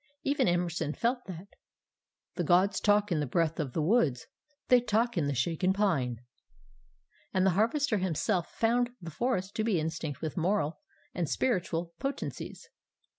Even Emerson felt that The Gods talk in the breath of the woods, They talk in the shaken pine. And the Harvester himself found the forest to be instinct with moral and spiritual potencies.